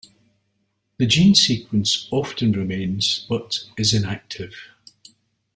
The gene sequence often remains, but is inactive.